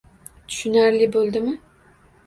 Tushunarli boʻldimi